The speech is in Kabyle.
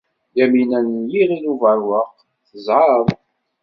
Yamina n Yiɣil Ubeṛwaq tezɛeḍ.